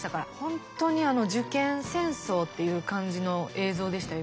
本当に受験戦争っていう感じの映像でしたよ